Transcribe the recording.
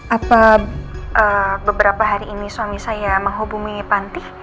apa beberapa hari ini suami saya menghubungi panti